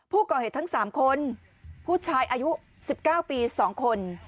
ผู้ก่อเหตุทั้งสามคนผู้ชายปี๑๙สองคน